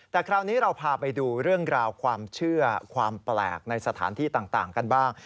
แต่คราวนี้เราพาไปดูเรื่องราวความเชื่อความแปลกในสถานที่ต่างกันบ้าง